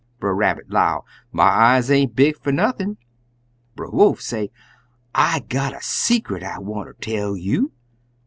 Brer Rabbit 'low, 'My eyes ain't big fer nothin'.' Brer Wolf say, 'I got a secret I wanter tell you.'